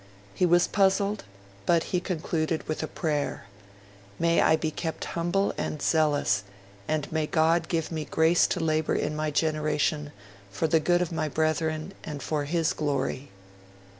He was puzzled; but he concluded with a prayer: 'May I be kept humble and zealous, and may God give me grace to labour in my generation for the good of my brethren and for His Glory!'